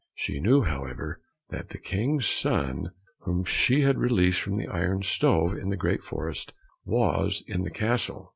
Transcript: She knew, however, that the King's son whom she had released from the iron stove in the great forest was in the castle.